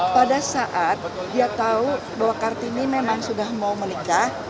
pada saat dia tahu bahwa kartini memang sudah mau menikah